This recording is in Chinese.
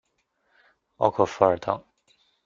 奥克弗尔当。